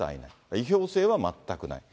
違法性は全くない。